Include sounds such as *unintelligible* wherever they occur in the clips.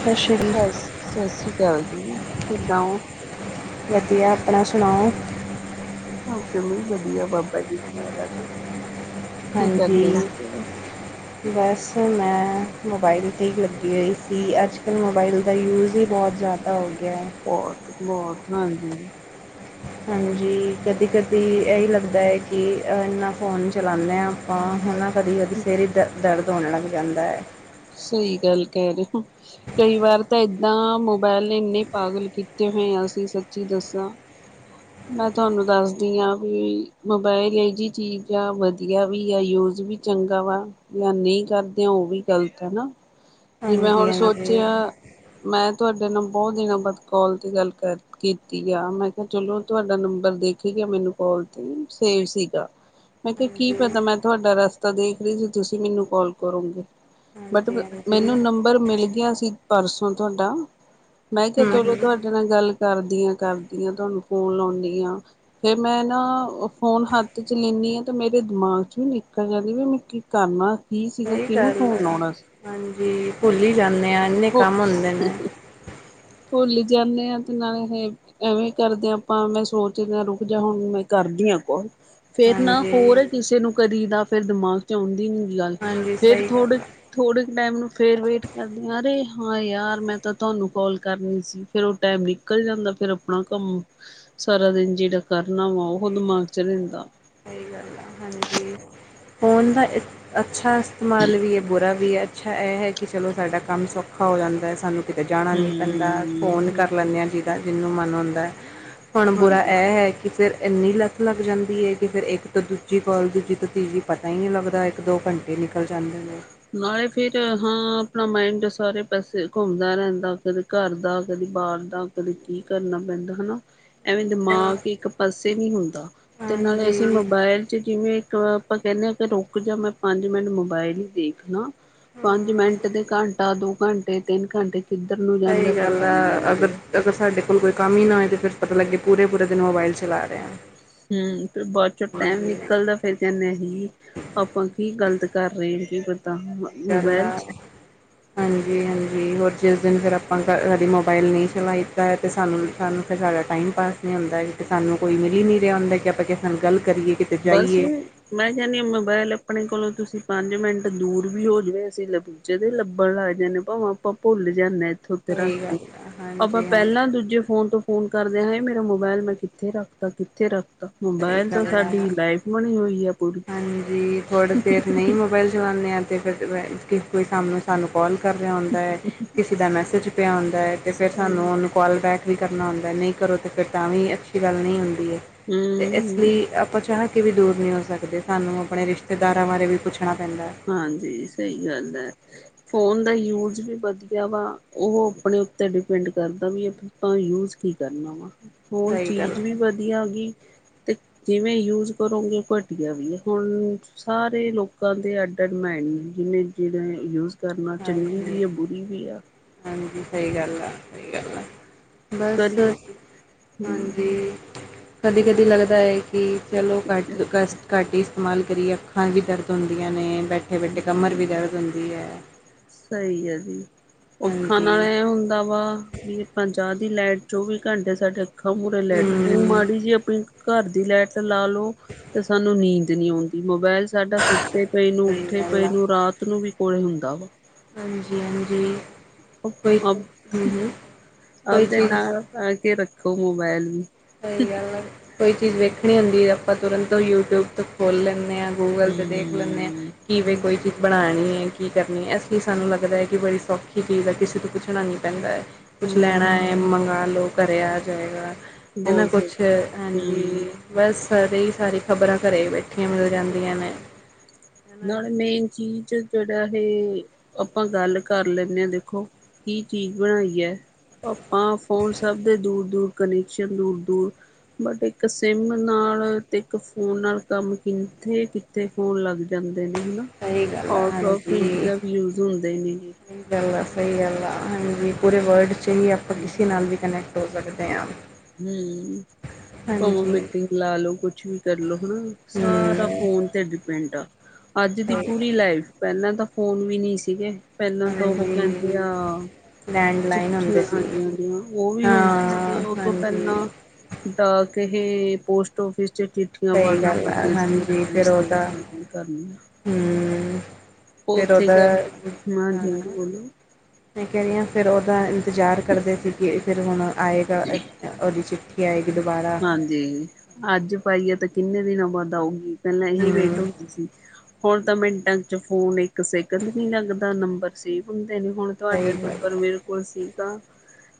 ਸਤਿ ਸ਼੍ਰੀ ਸਤਿ ਸ੍ਰੀ ਅਕਾਲ ਜੀ, ਕਿੱਦਾਂ ਹੋਂ? ਵਧੀਆ, ਆਪਣਾ ਸੁਣਾਓ? ਵਧੀਆ ਬਾਬਾ ਜੀ ਦੀ ਮੇਹਰ ਹੈ ਜੀ। ਕੀ ਕਰਦੇ ਹਾਂਜੀ, ਸੀਗੇ? ਬਸ ਮੈਂ ਮੋਬਾਈਲ ਤੇ ਹੀ ਲੱਗੀ ਹੋਈ ਸੀ, ਅੱਜ-ਕੱਲ੍ਹ ਮੋਬਾਇਲ ਦਾ ਯੂਜ਼ ਹੀ ਬਹੁਤ ਜ਼ਿਆਦਾ ਹੋ ਗਿਆ, ਬਹੁਤ-ਬਹੁਤ ਹਾਂਜੀ, ਹਾਂਜੀ, ਕਦੀ ਕਦੀ ਇਹੀ ਲੱਗਦਾ ਹੈ ਕਿ, ਇੰਨਾ ਫੋਨ ਚਲਾਉਂਦੇ ਹਾਂ ਆਪਾਂ ਹੈ ਨਾ ਕਦੀ-ਕਦੀ ਸਿਰ ਚ ਦਰਦ ਹੋਣ ਲੱਗ ਜਾਂਦਾ ਹੈ। ਸਹੀ ਗੱਲ ਕਹਿ ਰਹੇ ਹੋ ਕਈ ਵਾਰ ਤਾਂ ਇਦਾਂ ਮੋਬਾਇਲ ਨੇ ਇੰਨੇ ਪਾਗਲ ਕੀਤੇ ਹੋਏ ਆ, ਅਸੀਂ ਸੱਚੀ ਦੱਸਾਂ, *unintelligible* ਮੈਂ ਤੁਹਾਨੂੰ ਦੱਸਦੀ ਹਾਂ ਵੀ ਮੋਬਾਇਲ ਇਹ ਜਿਹੀ ਚੀਜ਼ ਆ ਵਧੀਆ ਵੀ ਆ ਯੂਜ ਵੀ ਚੰਗਾ ਵਾ ਜਾਂ ਨਹੀਂ ਕਰਦੇ ਉਹ ਵੀ ਗ਼ਲਤ ਹੈ ਨਾ, ਜਿਵੇਂ ਹਾਂਜੀ ਹੁਣ ਹਾਂਜੀ ਸੋਚਿਆ ਮੈਂ ਤੁਹਾਡੇ ਨਾਲ ਬਹੁਤ ਦਿਨਾਂ ਬਾਅਦ ਕਾਲ ਤੇ ਗੱਲ ਕਰਦੀ। ਕੀਤੀ ਆ ਮੈਂ ਕਿਹਾ ਚਲੋ, ਤੁਹਾਡਾ ਨੰਬਰ ਦੇਖੇ ਗਿਆ, ਮੈਨੂੰ ਕਾਲ ਤੇ ਸੇਵ ਸੀਗਾ। ਮੈਂ ਕਿਹਾ ਕੀ ਹਾਂਜੀ ਪਤਾ ਮੈਂ ਤੁਹਾਡਾ ਰਸਤਾ ਦੇਖ ਰਹੀ ਸੀ, ਤੁਸੀਂ ਮੈਨੂੰ ਕੋਲ ਕਰੋਂਗੇ। ਬਟ ਹਾਂਜੀ ਹਾਂਜੀ ਮੈਨੂੰ ਨੰਬਰ ਮਿਲ ਗਿਆ ਸੀ, ਪਰਸੋਂ ਤੁਹਾਡਾ ਮੈਂ ਕਿਹਾ ਹੂੰ ਚਲੋ, ਹੂੰ ਤੁਹਾਡਾ ਜਦ ਨਾਲ ਗੱਲ ਕਰਦੀਆਂ ਕਰਦੀਆਂ ਤੁਹਾਨੂੰ ਫੋਨ ਲਾਉਂਦੀ ਹਾਂ, ਫਿਰ ਮੈਂ ਨਾ ਫੋਨ ਹੱਥ 'ਚ ਲੈਂਦੀ ਹਾਂ, ਤਾਂ ਮੇਰੇ ਦਿਮਾਗ 'ਚ ਵੀ ਨਿਕਲ ਜਾਂਦੀ ਵੀ ਮੈਂ ਕੀ ਕਰਨਾ। ਕੀ ਸੀਗਾ, ਸਹੀ ਕਿਹਨੂੰ ਗੱਲ ਫੋਨ ਲਾਉਣਾ ਸੀ ਹਾਂਜੀ ਭੁੱਲ ਹੀ ਜਾਂਦੇ ਆਂ, ਇੰਨੇ ਕੰਮ ਹੁੰਦੇ ਨੇ, ਭੂਲ ਜਾਂਦੇ ਹਾਂ ਤੇ ਨਾਲ ਇਹ ਐਵੇਂ ਕਰਦੇ ਹਾਂ ਆਪਾਂ ਮੈਂ ਸੋਚਦੇ ਹਾਂ ਰੁਕ ਜਾ ਹੁਣ ਮੈਂ ਕਰਦੀ, ਹਾਂ ਕੋਲ ਫੇਰ ਨਾ ਹਾਂਜੀ ਹੋਰ ਕਿਸੇ ਨੂੰ ਕਦੀ ਦਾ ਫਿਰ ਦਿਮਾਗ ਚ ਆਂਦੀ ਨੀ ਗੱਲ ਹਾਂਜੀ ਸਹੀ ਗੱਲ ਆ। ਥੋੜ੍ਹੇ ਕ ਟਾਈਮ ਨੂੰ ਫੇਰ ਵੇਟ ਕਰਦੀ ਏ ਅਰੇ ਹਾਂ ਯਾਰ ਮੈਂ ਤਾਂ ਤੁਹਾਨੂੰ ਕਾਲ ਕਰਨੀ ਸੀ ਫਿਰ ਟਾਈਮ ਨਿਕਲ ਜਾਂਦਾ ਫੇਰ ਆਪਣਾ ਕੰਮ, ਸਾਰਾ ਦਿਨ ਜਿਹੜਾ ਕਰਨਾ ਵਾ ਉਹ ਦਿਮਾਗ ਚ ਰਹਿੰਦਾ। ਸਹੀ ਗੱਲ ਆ ਹਾਂਜੀ ਫੋਨ ਦਾ, ਅੱਛਾ ਇਸਤੇਮਾਲ ਵੀ ਐ ਬੁਰਾ ਵੀ ਐ ਅੱਛਾ ਇਹ ਐ, ਕਿ ਚਲੋ ਸਾਡਾ ਕੰਮ ਸੌਖਾ ਹੋ ਜਾਂਦਾ ਸਾਨੂੰ ਕਿਤੇ ਜਾਣਾ ਨੀ ਪੈਂਦਾ ਫੋਨ ਹਮ ਕਰ ਹਮ ਲੈਂਦੇ ਆ, ਜਿਹਦਾ ਜਿਹਨੂੰ ਮਨ ਹੁੰਦਾ। ਹੁਣ ਬੁਰਾ ਹਾਂਜੀ ਇਹ ਆ ਕਿ ਫਿਰ ਇੰਨੀ ਲ ਲੱਗ ਜਾਂਦੀ ਐ ਕਿ ਫੇਰ ਇੱਕ ਤੋਂ ਦੂਜੀ ਕੋਲ ਦੂਜੀ ਤੋਂ ਤੀਜੀ, ਪਤਾ ਹੀ ਨਹੀਂ ਲੱਗਦਾ ਇੱਕ ਦੋ ਘੰਟੇ ਨਿਕਲ ਜਾਂਦੇ ਨੇ, ਨਾਲੇ ਫੇਰ ਹਾਂ ਆਪਣਾ ਮਾਈਡ ਸਾਰੇ ਪਾਸੇ ਘੁੰਮਦਾ ਰਹਿੰਦਾ ਫੇਰ ਘਰ ਦਾ ਕਦੇ ਬਾਹਰ ਦਾ ਕਦੇ ਕੀ ਕਰਨਾ ਪੈਂਦਾ ਹਨਾ। ਐਵੇਂ ਦਿਮਾਗ ਇੱਕ ਪਾਸੇ ਨਹੀਂ ਹੁੰਦਾ, ਤੇ ਨਾਲੇ ਹਾਂਜੀ ਅਸੀਂ ਮੋਬਾਇਲ 'ਚ ਜਿਵੇਂ ਇੱਕ ਆਪਾਂ ਕਹਿੰਦੇ ਆ, ਰੁਕ ਜਾ ਮੈਂ ਪੰਜ ਮਿੰਟ ਮੋਬਾਇਲ ਹੀ ਦੇਖ। ਹਨਾ ਪੰਜ ਮਿੰਟ ਦੇ ਘੰਟਾ ਦੋ ਘੰਟੇ ਤਿੰਨ ਘੰਟੇ ਕਿੱਧਰ ਨੂੰ ਜਾਂਦਾ ਸਹੀ ਗੱਲ ਪਤਾ ਨਹੀਂ ਆ ਲੱਗਦੇ। ਅਗਰ ਅਗਰ ਸਾਡੇ ਕੋਲ ਕੋਈ ਕੰਮ ਹੀ ਨਾ ਹੋਏ ਤਾਂ ਫਿਰ ਪਤਾ ਲੱਗੇ ਪੂਰੇ ਪੂਰੇ ਦਿਨ ਮੋਬਾਇਲ ਚਲਾ ਰਹੇ ਆ। ਹੂੰ, ਫਿਰ ਬਾਅਦ ਚੌ ਟਾਈਮ ਨਿਕਲਦਾ। ਫਿਰ ਕਹਿਣ ਨਹੀਂ ਆਪਾਂ ਕੀ ਗਲਤ ਕਰ ਰਹੇ ਕਿ, ਸਈ ਗੱਲ ਐ, ਹਾਂਜੀ-ਹਾਂਜੀ, ਹੋਰ ਜਿਸ ਦਿਨ ਫਿਰ ਆਪਾਂ ਕੀ ਮੋਬਾਇਲ ਨਹੀਂ ਚਲਾਈ ਦਾ ਤੇ ਸਾਨੂੰ ਸਾਨੂੰ ਸਾਡਾ ਟਾਈਮ ਪਾਸ ਨਹੀਂ ਹੁੰਦਾ, ਕਿ ਸਾਨੂੰ ਕੋਈ ਮਿਲ ਹੀ ਨਹੀਂ ਰਿਹਾ ਹੁੰਦਾ ਕਿ ਆਪਾਂ ਕਿਸੇ ਨੂੰ ਗੱਲ ਕਰੀਏ ਕਿ ਬਸ, ਮੈਂ ਕਹਿੰਦੀ ਆ ਮੋਬਾਇਲ ਆਪਣੇ ਕੋਲੋਂ ਤੁਸੀਂ ਪੰਜ ਮਿੰਟ ਦੂਰ ਵੀ ਹੋ ਜਾਵੇ ਅਸੀਂ ਲਭ ਜਦੇ ਲੱਭਣ ਲੱਗ ਜਾਂਦੇ ਭਾਵੇ ਆਪਾਂ ਭੁੱਲ ਜਾਂਦੇ। ਉੱਥੇ ਰੱਖ ਸਹੀ ਕੇ ਗੱਲ ਆ ਆਪਾਂ ਹਾਂਜੀ-ਹਾਂਜੀ ਪਹਿਲਾਂ ਦੂਜੇ ਫੋਨ ਤੋਂ, ਫੋਨ ਕਰਦਿਆਂ ਹਾਏ ਮੇਰਾ ਮੋਬਾਇਲ ਮੈਂ ਕਿੱਥੇ ਰੱਖਤਾ ਕਿੱਥੇ ਰੱਖਤਾ ਸਹੀ ਮੋਬਾਇਲ ਦਾ ਗੱਲ ਹਾਂਜੀ ਥੋੜੀ ਦੇਰ ਨਹੀਂ ਮੋਬਾਇਲ, ਦੇ ਆ ਤੇ *unintelligible* ਫੇਰ ਕੋਈ ਸਾ ਸਾਨੂੰ ਕੋਲ ਕਰ ਰਿਹਾ ਹੁੰਦਾ, ਕਿਸੇ ਦਾ ਮੈਸੇਜ ਪਿਆ ਹੁੰਦਾ ਤੇ ਫਿਰ ਸਾਨੂੰ ਉਹਨੂੰ ਕੋਲ ਬੈਕ ਵੀ ਕਰਨਾ ਹੁੰਦਾ ਨਹੀਂ ਕਰੋ, ਤਾਂ ਫਿਰ ਤਾਂ ਵੀ ਅੱਛੀ ਗੱਲ ਨਹੀਂ ਹੁੰਦੀ ਆ। ਹੂੰ, ਤੇ ਇਸ ਲਈ ਆਪਾਂ ਚਾਹ ਕੇ ਵੀ ਦੂਰ ਨਹੀਂ ਹੋ ਸਕਦੇ, ਸਾਨੂੰ ਆਪਣੇ ਰਿਸ਼ਤੇਦਾਰਾਂ ਬਾਰੇ ਵੀ ਪੁੱਛਣਾ ਪੈਂਦਾ। ਹਾਂਜੀ ਸਹੀ ਗੱਲ ਐ। ਫੋਨ ਦਾ ਯੂਜ ਵੀ ਵਧੀਆ ਵਾ, ਉਹ ਆਪਣੇ ਉੱਤੇ ਡਿਪੈਂਡ ਕਰਦਾ ਵੀ। ਆਪਾਂ ਯੂਜ ਕੀ ਕਰਨਾ ਵਾ ਫੋਨ ਸਹੀ ਗੱਲ ਚੀਜ਼ ਵੀ ਵਧੀਆ ਗਈ ਤੇ, ਜਿਵੇਂ ਯੂਜ ਕਰੋਗੇ ਘਟੀਆ ਵੀ ਐ ਹੁਣ ਸਾਰੇ ਲੋਕਾਂ ਦੇ, ਮਾਇੰਡ ਨੇ ਜਿਨੇ ਜਿਹੜੇ ਯੂਜ ਕਰਨਾ ਚੰਗੀ ਹਾਂਜੀ ਵੀ ਐ ਬੁਰੀ ਵੀ ਆ। ਹਾਂਜੀ ਸਹੀ ਗੱਲ ਆ ਸਹੀ ਗੱਲ ਆ। ਬਸ ਕਰੀਏ ਕੀ ਹੂੰ ਹਾਂਜੀ। ਕਦੀ ਕਦੀ ਲੱਗਦਾ ਆ ਕਿ ਚਲੋ ਘੱਟ ਕਸਟ ਘੱਟ ਹੀ ਇਸਤੇਮਾਲ ਕਰੀਏ ਅੱਖਾਂ ਵੀ ਦਰਦ ਹੁੰਦੀਆਂ ਨੇ ਬੈਠ ਬੈਠੇ ਬੈਠੇ ਕਮਰ ਹੂੰ ਵੀ ਦਰਦ ਹੁੰਦੀ ਐ। ਸਹੀ ਅਤਜੀ ਅੱਖਾਂ ਹਾਂਜੀ ਨਾਲ ਇਹ ਹੁੰਦਾ ਵਾ ਵੀ, ਆਪ ਚਾਹ ਦੀ ਲਾਈਟ ਚੌਵੀ ਘੰਟੇ ਸਾਡੇ ਅੱਖਾਂ ਮੁੂਰੇ ਲਾਈਟ ਹਮ ਮਾੜੀ ਜੀ ਆਪਣੀ ਘਰ ਦੀ ਲਾਈਟ ਲਾ ਲਓ, ਤੇ ਸਾਨੂੰ ਨੀਂਦ ਨੀ ਆਉਂਦੀ। ਮੋਬਾਇਲ ਸਾਡਾ ਸੁੱਤੇ ਪਏ ਨੂੰ ਸਹੀ ਉੱਠੇ ਗੱਲ ਪਏ ਆ ਨੂੰ ਰਾਤ ਨੂੰ ਵੀ ਕੋਲ ਹੁੰਦਾ ਵਾ, ਹਾਂਜੀ, ਹਾਂਜੀ, *unintelligible* ਹੂੰ ਹੂੰ, ਆਵਦੇ ਨਾਲ ਆ ਕੇ ਰੱਖੋ ਮੋਬਾਇਲ ਵੀ ਸਹੀ ਗੱਲ, ਕੋਈ ਚੀਜ਼ ਵੇਖਣੀ ਹੁੰਦੀ ਹੈ। ਆਪਾਂ ਤੁਰੰਤ ਯੂ ਟਿਊਬ ਤੋਂ ਖੋਲ ਲੈਂਦੇ ਹਾਂ ਗੂਗਲ ਤੇ ਦੇਖ ਲੈਂਦੇ ਹਾਂ, ਹੂੰ। ਕਿਵੇਂ ਕੋਈ ਬਣਾਉਣੀ ਹੈ ਕੀ ਕਰਨੀ ਹੈ ਇਸ ਲਈ ਸਾਨੂੰ ਲੱਗਦਾ ਹੈ ਕਿ ਬੜੀ ਸੌਖੀ ਚੀਜ਼ ਹੈ ਕਿਸੇ ਤੋਂ ਪੁਛਣਾ ਨਹੀਂ ਪੈਂਦਾ ਹੈ। ਕੁਛ ਲੈਣਾ ਹੂੰ। ਹੈ ਮੰਗਵਾ ਲਓ ਘਰੇ ਆ ਜਾਏਗਾ, ਹਨਾ ਬਹੁਤ ਸਹੀ ਕੁਛ ਹੂੰ। ਹਾਂਜੀ ਬਸ ਸਾਰੇ ਹੀ ਸਾਰੀ ਖ਼ਬਰਾਂ ਘਰੇ ਬੈਠੀਆਂ ਮਿਲ ਜਾਂਦੀਆਂ ਨੇ ਹਨਾ ਨਾਲੇ ਮੇਨ ਚੀਜ਼ ਜਿਹੜਾ ਇਹ, ਆਪਾਂ ਗੱਲ ਕਰ ਲੈਂਦੇ ਹਾਂ ਦੇਖੋ ਕੀ ਚੀਜ਼ ਬਣਾਈ ਹੈ। ਆਪਾਂ ਫੋਨ ਸਭ ਦੇ ਦੂਰ -ਦੂਰ ਕਨੈਕਸ਼ਨ ਦੂਰ -ਦੂਰ ਬਟ ਇੱਕ ਸਿਮ ਨਾਲ ਤੇ ਇੱਕ ਫੋਨ ਨਾਲ ਕੰਮ ਕਿੱਥੇ -ਕਿੱਥੇ ਫੋਨ ਲੱਗ ਜਾ ਜਾਂਦੇ ਨੇ ਹਨਾ, ਸਹੀ ਗੱਲ ਆ ਆਊਟ ਫ ਹਾਂਜੀ। ਇੰਡੀਆ ਵੀ ਯੂਜ ਹੁੰਦੇ ਨੇ ਸਹੀ ਗੱਲ ਆ ਸਹੀ ਗੱਲ ਆ ਹਾਂਜੀ ਪੂਰੇ ਵਰਲਡ 'ਚ ਹੀ ਆਪਾਂ ਕਿਸੇ ਨਾਲ ਵੀ ਕਨੈਕਟ ਹੋ ਸਕਦੇ ਹਾਂ ਹੂੰ, ਭਾਵਾਂ ਹਾਂਜੀ ਮੀਟਿੰਗ ਲਾ ਲੋੋ ਕੁਛ ਵੀ ਕਰਲੋ ਹਨਾ, ਸਾਰਾ ਹਮ ਫੋਨ ਤੇ ਡਿਪੈਂਡ ਆ ਅੱਜ ਦੀ ਸਹੀ ਪੂਰੀ ਲਾਈਫ, ਪਹਿਲਾਂ ਤਾਂ ਫੋਨ ਵੀ ਨਹੀਂ ਸੀਗੇ ਪਹਿਲਾਂ ਤਾਂ ਉਹ ਹਾਂਜੀ ਕਹਿੰਦੇ ਆ ਲੈਂਡਲਾਈਨ ਹੁੰਦੇ ਚਿੱਠੀਆਂ ਸੀ ਹਾਂਜੀ-ਹਾਂਜੀ ਉਹ ਵੀ ਹੁੰਦੇ ਸੀਗੇ ਹਾਂ ਉਹ ਤੋਂ ਪਹਿਲਾਂ, ਹਾਂਜੀ ਡਾਕ ਕਿਸਹੇ ਪੋਸਟ ਆਫਿਸ ਚ, ਚਿੱਠੀਆਂ ਸਹੀ ਪਾਉਣੀਆਂ ਗੱਲ ਆ ਪੈਂਦੀਆਂ ਸੀਗੀਆਂ ਆਪਣੇ ਰਿਸ਼ਤੇਦਾਰਾਂ, ਆਪਣੇ ਘਰੀਆਂ। ਹੂੰ, ਫਿਰ ਉਹਦਾ, ਕੀ ਹਾਂ ਬੋਲੋ ਮੈਂ ਕਹਿ ਰਹੀ ਹਾਂ ਫਿਰ ਉਹਦਾ ਇੰਤਜ਼ਾਰ ਕਰਦੇ ਸੀ ਕਿ ਫਿਰ ਹੁਣ ਆਏਗਾ ਉਹਦੀ ਚਿੱਠੀ ਕੀ *unintelligible* ਆਏਗੀ ਦੁਬਾਰਾ ਜੇ ਅੱਜ ਪਾਈਏ ਤਾਂ ਕਿੰਨੇ ਦਿਨਾਂ ਬਾਅਦ ਆਊਗੀ ਪਹਿਲਾਂ ਇਹੀ ਹਮ ਵੇਟ ਹੁੰਦੀ ਸੀ। ਹੁਣ ਤਾਂ ਮਿੰਟਾਂ ਚ ਫੋਨ ਇੱਕ ਸੈਕਿੰਡ ਨੀ ਲੱਗਦਾ ਨੰਬਰ ਸੇਵ ਹੁੰਦੇ ਨੇ ਹੁਣ ਤੁਹਾਡੇ ਸਹੀ ਗੱਲ ਨੰਬਰ ਮੇਰੇ ਕੋਲ ਸੀ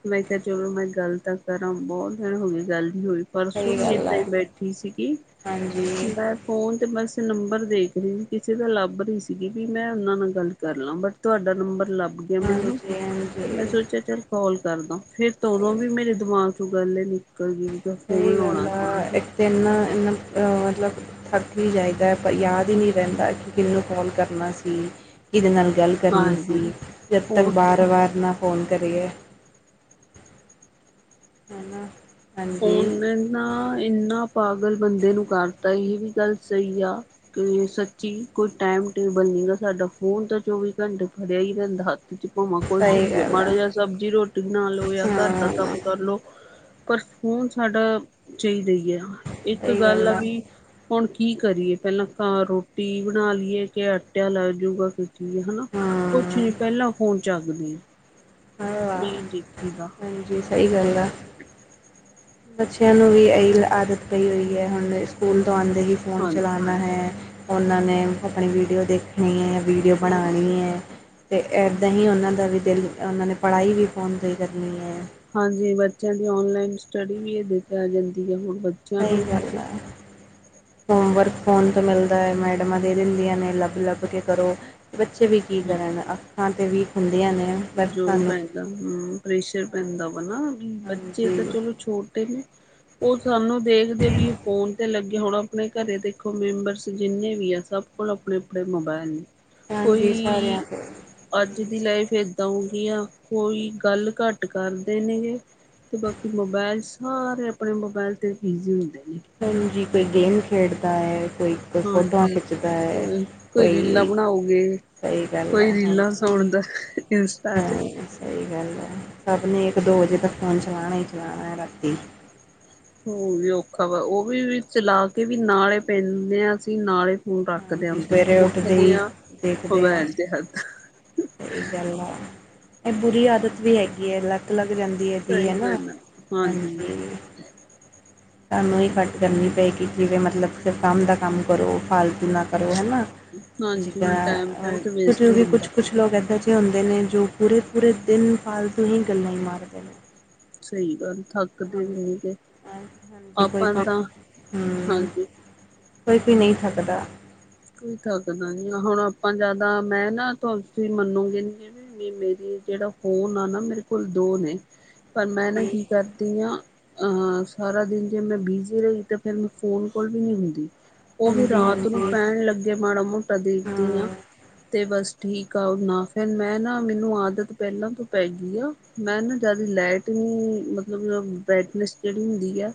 ਮੈਂ ਕਿਹਾ ਚਲੋ ਮੈਂ ਗੱਲ ਤਾਂ ਕਰਾਂ ਬਹੁਤ ਦਿਨ ਹੋ ਗਏ ਗੱਲ ਨਹੀਂ ਹੋਈ ਪਰਸੋਂ ਸਹੀ ਵੀ ਗੱਲ ਏਦਾਂ ਆ ਹੀ ਬੈਠੀ ਸੀਗੀ, ਹਾਂਜੀ ਬਸ ਫੋਨ ਤੇ ਬਸ ਨੰਬਰ ਦੇਖ ਰਹੇ ਸੀ ਕਿਸੇ ਦਾ ਲੱਭ ਰਹੀ ਸੀਗੀ ਵੀ ਮੈਂ ਉਹਨਾਂ ਨਾਲ ਗੱਲ ਕਰ ਲਾਂ, ਬਟ ਤੁਹਾਡਾ ਨੰਬਰ ਲੱਭ ਮੈਨੂੰ, ਹਾਂਜੀ ਤੇ ਮੈਂ ਹਾਂਜੀ ਸੋਚਿਆ ਚੱਲ ਕਾਲ ਕਰਦਾ ਫਿਰ ਤਦੋਂ ਵੀ ਮੇਰੇ ਦਿਮਾਗ ਉਹ ਗੱਲੇ ਨਿਕਲ ਗਈ ਫੋਨ ਸਹੀ ਗੱਲ ਲਾਉਣਾ ਸੀ ਆ, ਇੱਥੇ ਨਾ ਮਤਲਬ ਥੱਕ ਵੀ ਜਾਇਦਾ ਪਰ ਯਾਦ ਹੀ ਨਹੀਂ ਰਹਿੰਦਾ ਕਿ ਕਿਹਨੂੰ ਕੋਲ ਕਰਨਾ ਸੀ ਕਿਹਦੇ ਨਾਲ ਗੱਲ ਕਰਨੀ ਹਾਂਜੀ ਸੀ ਜਦ ਤੱਕ ਫੋਨ ਵਾਰ -ਵਾਰ ਨਾ ਫੋਨ ਕਰੀਏ ਹੈਨਾ ਫੋਨ ਨਾ ਇੰਨਾ ਪਾਗਲ ਬੰਦੇ ਨੂੰ ਕਰਤਾ ਇਹ ਵੀ ਗੱਲ ਸਹੀ ਆ ਕਿ ਸੱਚੀ, ਕੋਈ ਟਾਈਮ ਟੇਬਲ ਨਹੀ ਗਾ ਸਾਡਾ ਫੋਨ ਤਾਂ ਚੌਵੀ ਘੰਟੇ ਫੜਿਆ ਹੀ ਰਹਿੰਦਾ ਹੱਥ ਚ ਭਾਵਾਂ ਕੁਛ ਸਹੀ ਵੀ ਆ, ਗੱਲ ਮਾੜਾ ਜਿਹਾ ਸਬਜ਼ੀ ਰੋਟੀ ਬਣਾ ਲੋ ਜਾਂ ਘਰ ਦਾ ਹਾਂ ਕੰਮ ਕਰਲੋ ਪਰ ਫੋਨ ਸਾਡਾ ਚਾਹੀਦਾ ਹੀ ਹੈ, ਇੱਕ ਗੱਲ ਆ ਵੀ ਹੁਣ ਕੀ ਕਰੀਏ ਪਹਿਲਾਂ ਘ ਰੋਟੀ ਬਣਾ ਲਈਏ ਕਿ ਆਟਿਆ ਲਾ ਜਾਊਗਾ ਕੋਈ ਕੀ ਹਨਾ, ਕੁਛ ਹਾਂ ਨੀ ਪਹਿਲਾਂ ਫੋਨ ਚੱਕਦੇ ਹ, ਨਹੀਂ ਦੇਖੀਦਾ ਜੀ ਸਹੀ ਗੱਲ ਆ ਅ ਬੱਚਿਆਂ ਨੂੰ ਵੀ ਇਹੀ ਆਦਤ ਪਈ ਹੋਈ ਹੈ ਹੁਣ ਸਕੂਲ ਤੋਂ ਆਂਉਦੇ ਹੀ ਫ਼ੋਨ ਹਾਂਜੀ ਚਲਉਣਾ ਹੈ, ਉਹਨਾਂ ਨੇ ਆਪਣੀ ਵੀਡੀਓ ਦੇਖ ਣੀ ਵੀਡੀਓ ਹਾਂ। ਬਣਾਉਣੀ ਹੈ ਤੇ ਇੱਦਾਂ ਹੀ ਉਹਨਾਂ ਦਾ ਵੀ ਦਿਲ ਉਹਨਾਂ ਨੇ ਪੜ੍ਹਾਈ ਵੀ ਫੋਨ ਤੋਂ ਹੀ ਕਰਨੀ ਹੈ ਹਾਂਜੀ ਬੱਚਿਆਂ ਦੀ ਔਨਲਾਈਨ ਸਟੱਡੀ ਵੀ ਇਹਦੇ ਤੇ ਆ ਜਾਂਦੀ ਏ ਹੁਣ। ਸਹੀ ਨੂੰ ਗੱਲ ਆਂ। ਹੋਮਵਰਕ ਫੋਨ ਤੇ ਮਿਲਦਾ ਹੈ ਮੈਡਮਾਂ ਦੇ ਦਿੰਦੀਆਂ ਨੇ ਲੱਭ-ਲੱਭ ਕੇ ਕਰੋ। ਬੱਚੇ ਵੀ ਕੀ ਕਰਨ, ਅੱਖਾਂ ਤੇ ਵੀਕ ਹੁੰਦੀਆਂ ਨੇ। ਪਰ ਜੋ ਸਾਨੂੰ ਪੈਂਦਾ ਹ ਮ ਪ੍ਰੇਸ਼ਰ ਪੈਂਦਾ ਵਾ ਨਾ, ਬੱਚੇ ਹਾਂਜੀ ਤੇ ਚਲੋ ਛੋਟ ਤਿੰਨ *unintelligible* ਉਹ ਸਾਨੂੰ ਦੇਖਦੇ ਵੀ ਫੋਨ ਤੇ ਲੱਗੇ ਹੋਣ ਆਪਣੇ ਘਰੇ ਦੇਖੋ ਮੈਂਬਰਸ ਜਿੰਨੇ ਵੀ ਆ ਸਭ ਕੋਲ ਅਪ ਆਪਣੇ-ਆਪਣੇ ਮੋਬਾਇਲ ਨੇ, ਹਾਂਜੀ ਸਾਰਿਆਂ ਕੋਈ ਕੋਲ ਅੱਜ ਹੂੰ ਦੀ ਲਾਈਫ ਤਾਂ ਉਹੀ ਆਂ, ਕੋਈ ਗੱਲ ਘੱਟ ਕਰਦੇ ਨੇਗੇ। ਤੇ ਬਾਕੀ ਮੋਬਾਇਲ ਸਾਰੇ ਆਪਣੇ ਮੋਬਾਇਲ ਤੇ ਬਿਜ਼ੀ ਹੁੰਦੇ ਨੇ। ਹਾਂਜੀ, ਕੋਈ ਗੇਮ ਖੇਡਦਾ ਹੈ ਕੋਈ ਕੋਈ ਫੋਟੋਆਂ ਹਾਂਜੀ, ਖਿੱਚਦਾ ਹੈ ਕੋਈ ਰੀਲਾਂ ਬਣਾਓਗੇ। ਸਹੀ ਗੱਲ ਆ ਕੋਈ ਹਾਂਜੀ ਰੀਲਾਂ ਸੁਣਦਾ, ਇੰਸਟਾ ਚ। ਹਾਂ ਸਹੀ ਗੱਲ ਅ, ਸਭ ਨੇ ਇੱਕ ਦੋ ਵਜੇ ਤੱਕ ਫ਼ੋਨ ਚਲਾਉਣਾ ਹੀ ਚਲਾਉਣਾ ਹੈ ਰਾਤੀ। ਹੋਰ ਵੀ ਔਖਾ ਵਾ ਉਹ ਵੀ ਚਲਾ ਕੇ ਵੀ ਨਾਲੇ ਪੈਂਦੇ ਆ ਅਸੀਂ ਨਾਲੇ ਹੁਣ ਤੱਕ ਦੇ ਹਾਂਜੀ ਆਂਦੀ ਸਵੇਰੇ ਉੱਠਦੇ ਹੀ ਆਂ ਦੇਖਦੇ ਹਾਂ ਫਵੈਲ ਦੇ ਹੱਥ। ਸਹੀ ਗੱਲ ਆ, ਇਹ ਬੁਰੀ ਆਦਤ ਵੀ ਹੈਗੀ ਏ ਲੱਕ ਲੱਗ ਜਾਂਦੀ ਏ ਧੀ, ਹੈ ਸਹੀ ਨਾ, ਗੱਲ ਆ ਹਾਂਜੀ। ਸਾਨੂੰ ਹੀ ਘੱਟ ਕਰਨੀ ਪਏਗੀ, ਜਿਵੇਂ ਮਤਲਬ ਸਿਰਫ ਕੰਮ ਦਾ ਕੰਮ ਕਰੋ ਫਾਲ ਨਾ ਕਰੋ ਹੈਨਾ, ਹਾਂਜੀ ਟਾਈਮ ਜਿੱਦਾਂ ਬਹੁਤ ਕੁਝ ਵੇਸਟ ਵੀ ਕੁਛ ਹੁੰਦਾ ਕੁਛ *unintelligible* ਲੋਕ ਇੱਦਾਂ ਜ ਹੁੰਦੇ ਨੇ ਜੋ ਪੂਰੇ-ਪੂਰੇ ਦਿਨ ਫਾਲਤੂ ਹੀ ਗੱਲਾਂ ਹੀ ਮਾਰਦੇ ਨੇ। ਸਹੀ ਗੱਲ, ਥੱਕਦੇ ਵੀ ਹਾਂਜੀ ਨਹੀਂ ਗ, ਅਹ ਹਾਂਜੀ ਕੋਈ ਆਪਾਂ ਕੋਈ ਤਾਂ ਹੂੰ ਹਾਂਜੀ। ਕੋਈ ਕੋਈ ਨਹੀਂ ਥੱਕਦਾ। ਕੋਈ ਥੱਕਦਾ ਨੀ ਆ, ਹੁਣ ਆਪਾਂ ਜਿਆਦਾ ਮੈਂ ਨਾ ਤੁਸੀਂ ਮੰਨੋਗੇ ਨੀ। ਮ ਮੇਰੀ ਜਿਹੜਾ ਫੋਨ ਆ ਨਾ ਮੇਰੇ ਕੋਲ ਦੋ ਨੇ, ਪਰ ਮੈਂ ਨਾ ਹਾਂਜੀ ਕੀ ਕਰਦੀ ਹਾਂ ਆ ਹ ਸਾਰਾ ਦਿਨ ਜੇ ਮੈਂ ਬਿਜ਼ੀ ਰਹੀ ਤੇ ਫਿਰ ਮੈਂ ਫੋਨ ਕੋਲ ਵੀ ਨਹੀਂ ਹੁੰਦੀ। ਉਹ ਵੀ ਹਾਂਜੀ ਰਾਤ ਨੂੰ ਹਾਂਜੀ ਪੈਣ ਲੱਗੇ ਮਾੜਾ ਮੋਟਾ ਦੇਖਦੀ ਆ। ਹਾਂ ਤੇ ਬਸ ਠੀਕ ਆ ਓ ਨਾ ਫਿਰ ਮੈਂ ਨਾ ਮੈਨੂੰ ਆਦਤ ਪਹਿਲਾਂ ਤੋਂ ਪੈ ਗਈ ਆ। ਮੈਂਨੂੰ ਜਿਆਦਾ ਲਾਈਟ ਨਹੀਂ, ਮਤਲਬ ਬਰਾਈਟਨੈੱਸ ਜਿਹੜੀ ਹੁੰਦੀ ਅ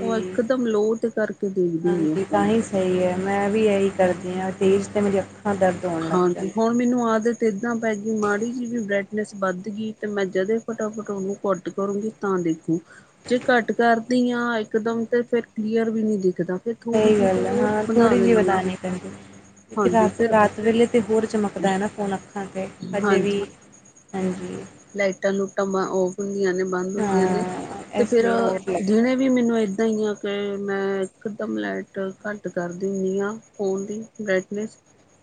ਉਹ ਇੱਕ ਦਮ ਲੋਅ ਤੇ ਕਰਕੇ ਦੇਖਦੀ ਹੁੰਦੀ ਆ ਹਾਂਜੀ ਤਾਂ ਫੋਨ। ਹੀ ਸਹੀ ਏ, ਮੈਂ ਵੀ ਇਹੀ ਕਰਦੀ ਹਾਂ, ਤੇਜ਼ ਤੇ ਮੇਰੀ ਅੱਖਾਂ ਦਰਦ ਹੋਣ ਲੱਗ ਹਾਂਜੀ ਜਾਂਦੀਆਂ ਹੁਣ ਮੈਨੂੰ ਆਦਤ ਇਦਾਂ ਪੈ ਗਈ, ਮਾੜੀ ਜਿਹੀ ਵੀ ਬਰਾਈਟਨੈਸ ਵੱਧ ਗਈ ਤੇ ਮੈਂ ਜਦੇ ਫਟਾਫਟ ਉਹਨੂੰ ਘੱਟ ਕਰੂਗੀ ਤਾਂ ਦੇਖੁ। ਜੇ ਘੱਟ ਕਰਦੀ ਆ ਇੱਕ ਦਮ ਤੇ ਫੇਰ ਕਲੀਅਰ ਵੀ ਨਹੀਂ ਦਿਖਦਾ ਫੇ ਸਹੀ ਗੱਲ ਹੈ, ਹਾਂ ਥੋੜ੍ਹੀ ਜਿਹੀ ਵਧਾਉਣੀ ਪਹਿੰਦੀ, ਕਿਉਂਕਿ ਹਾਂਜੀ ਫਿਰ ਰਾਤ-ਰਾਤ ਵੇਲੇ ਤੇ ਹੋਰ ਚਮਕਦਾ ਹੈ ਨਾ ਫ਼ੋਨ ਅੱਖਾਂ ਤੇ ਹਜੇ ਹਾਂਜੀ ਵੀ, ਹਾਂਜੀ। ਲਾਈਟਾਂ ਲੁਟਾਂ ਬੰ ਔਫ ਹੁੰਦੀਆਂ ਨੇ ਬੰਦ ਹੁੰਦੀਆਂ ਨੇ ਹਾਂ ਤੇ ਇਸ ਫਿਰ ਲਈ ਹੋਰ ਲੱਗਦਾ ਜਿਨੇ ਵੀ ਮੈਨੂੰ ਏਦਾਂ ਹੀ ਆ ਕਿ ਮੈਂ ਇੱਕਦਮ ਲਾਈਟ ਘੱਟ ਕਰ ਦਿੰਨੀਆਂ। ਫੋਨ ਦੀ ਬਰਾਈਟਨੈਸ।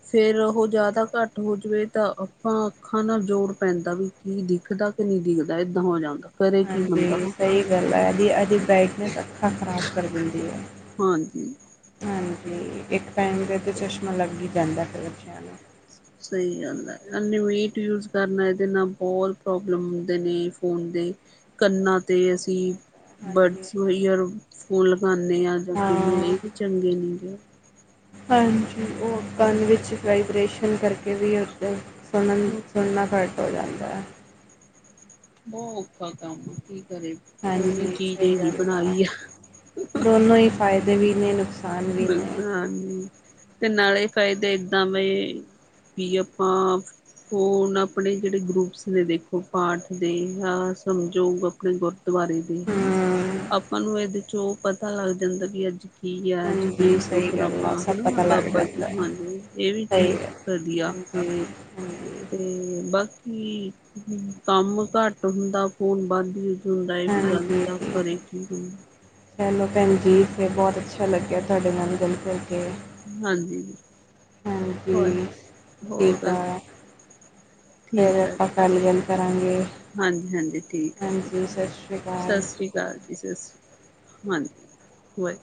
ਫੇਰ ਉਹ ਜ਼ਿਆਦਾ ਘੱਟ ਹੋ ਜਾਵੇ ਤਾਂ ਆਪਾਂ ਅੱਖਾਂ ਨਾਲ ਜੋਰ ਪੈਂਦਾ ਵੀ ਕੀ ਦਿਖਦਾ ਕਿ ਨਹੀਂ ਦਿਖਦਾ ਏਦਾਂ ਹੋ ਜਾਂਦਾ, ਕਰੇ ਕੀ ਬੰਦਾ ਹਾਂ? *unintelligible* ਇਹ ਇਹਦੀ ਬਰਾਈਟਨੈਸ ਅੱਖਾਂ ਖ਼ਰਾਬ ਕਰ ਦਿੰਦੀ ਏ। ਹਾਂਜੀ ਹਾਂਜੀ, ਇੱਕ ਟਾਈਮ ਤੇਤੇ ਚਸ਼ਮਾ ਲੱਗ ਹੀ ਜਾਂਦਾ ਫਿਰ ਬੱਚਿਆਂ ਨੂੰ। ਸਹੀ ਗੱਲ ਹੈ ਇੰਨ੍ਹੇ ਵੀਟ ਯੂਜ਼ ਕਰਨਾ ਇਹਦੇ ਨਾਲ ਬਹੁਤ ਪ੍ਰੋਬਲਮ ਹੁੰਦੇ ਨੇ ਫੋਨ ਦੇ ਕੰਨਾਂ ਤੇ ਅਸੀਂ ਹਾਂਜੀ ਬਡਸ ਈਅਰ ਫੋਨ ਲਗਾਨੇ ਆ ਜਾਂ ਕਿਵੇਂ ਹਾਂ ਇਹ ਵੀ ਚੰਗੇ ਨਹੀਂ ਗੇ। ਹਾਂਜੀ ਉਹ ਕੰਨ ਵਿੱਚ ਵਾਈਬ੍ਰੇਸ਼ਨ ਕਰਕੇ ਵੀ ਹੁੰਦਾ। ਸੁਣਨ ਸੁਣਨਾ ਘੱਟ ਹੋ ਜਾਂਦਾ। ਬੋ ਔਖਾ ਕੰਮ, ਕੀ ਕਰੇ। ਸੋਹਣੀ ਹਾਂਜੀ, ਚੀਜ਼ ਸਈ ਹੀ ਗੱਲ ਐ, ਬਣਾਈ ਆ ਦੋਨੋ ਈ ਫਾਯਦੇ ਵੀ ਨੇ, ਨੁਕਸ- ਬਿਲਕੁਲ ਹਾਂਜੀ, ਤੇ ਨਾਲੇ ਫਾਇਦੇ ਏਦਾ ਬਈ ਵੀ ਅਪਾਂ ਹੁਣ ਆਪਨੇ ਜਿਹੜੇ ਗਰੁੱਪਸ ਨੇ ਦੇਖੋ ਪਾਠ ਦੇ, ਆ ਸਮਝੋ ਆਪਨੇ ਗੁਰ ਦਵਾਰੇ ਦੀ ਹਨਾ, ਹਾਂ ਆਪਾ ਨੂੰ ਐਦੇ ਚੋ ਪਤਾ ਲੱਗ ਜਾਂਦਾ ਵੀ ਅੱਜ ਕੀ ਐ, ਅੱਜ ਕੀ ਜੀ ਸਈ ਗੱਲ ਪ੍ਰੋਗਰਾਮ ਐ ਆ ਸਭ ਹਨਾ ਪਤਾ ਲੱਗ ਬਾਬਾ ਜੀ ਜਾਂਦਾ, ਹਾਂਜੀ ਇਹ ਵੀ ਸਈ ਚੀਜ਼ ਗੱਲ ਐ, ਵਧੀਆ ਹਾਂਜੀ। ਹਾਂਜੀ ਤੇ ਬਾਕੀ ਕੰਮ ਘੱਟ ਹੁੰਦਾ, ਫ਼ੋਨ ਵੱਧ ਈ ਹੁੰਦਾ ਏਵੀ ਗਲਤ ਆ, ਕਰੇ ਕੀ ਹੁਣ ਹੈਲੋ ਭੈਣਜੀ, ਫੇਰ ਬਹੁਤ ਅੱਛਾ ਲੱਗਿਆ ਤੁਹਾਡੇ ਨਾਲ ਗੱਲ ਕਰਕੇ। ਹਾਂਜੀ, ਹੋਰ, ਹਾਂਜੀ ਠੀਕ ਹੋਰ ਆ ਫਿਰ ਠੀਕ ਐ, ਆਪਾਂ ਕੱਲ ਗੱਲ ਕਰਾਂਗੇ ਹਾਂਜੀ, ਹਾਂਜੀ, ਠੀਕ ਐ ਜੀ‌, ਹਾਂਜੀ ਸਤਿ ਸ਼੍ਰੀ ਸਤਿ ਅਕਾਲ ਸ਼੍ਰੀ ਅਕਾਲ ਜੀ, ਸਤਿ ਸ਼੍ਰੀ, ਹਾਂਜੀ, ਵਾਹਿ